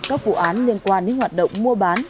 các vụ án liên quan đến hoạt động mua bán